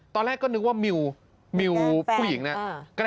ตอนแรกก็นึกว่ามิวมิวผู้หญิงนะแกล้งหรือเปล่า